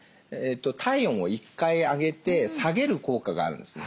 体温を１回上げて下げる効果があるんですね。